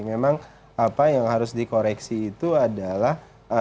memang apa yang harus dikoreksi itu adalah